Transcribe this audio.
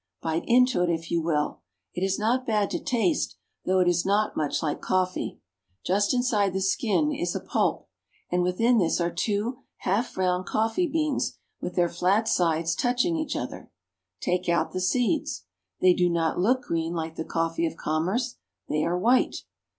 Bite into it if you will. It is not bad to taste, though it is not much Hke coffee. Just inside the skin is a pulp, and within this are two half round coffee beans with their flat sides touching each other. Take out the seeds. They do not look green like the coffee of commerce. They are white.